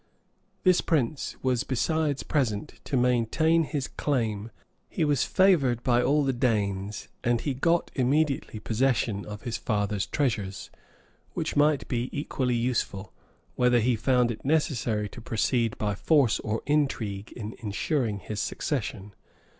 This prince was besides present, to maintain his claim; he was favored by all the Danes; and he got immediately possession of his father's treasures, which might be equally useful, whether he found it necessary to proceed by force or intrigue, in insuring his succession.